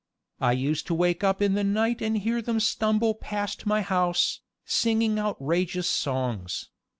I used to wake up in the night and hear them stumble past my house, singing outrageous songs.